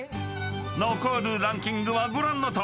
［残るランキングはご覧のとおり］